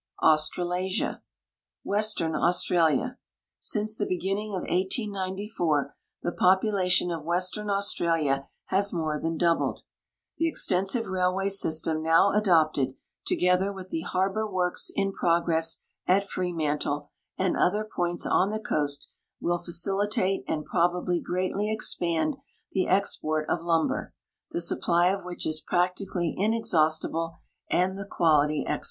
AU.STRALA8IA Western Au.stralia. Since the beginning of 1894 the population of Western Australia has more than doubled. The e.xtensive railway .system now adopted, together with the harbor works in progress at Fremantle anrl other points on the coast, will facilitate and j)robably greatly ex|)and the export of lumber, the 8Ui)j)ly of which is jiractically inexhaustible and the quality excellent.